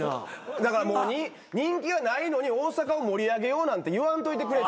だからもう人気がないのに大阪を盛り上げようなんて言わんといてくれって。